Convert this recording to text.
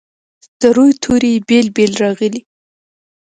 د روي توري یې بیل بیل راغلي.